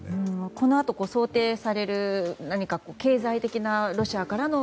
このあと想定される経済的なロシアからの。